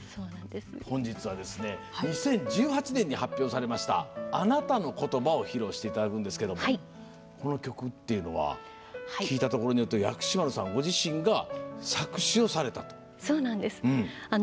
本日は、２０１８年に発表されました「アナタノコトバ」を披露していただくんですけれどもこの曲っていうのは聞いたところによると薬師丸さんご自身が作詞をされたと。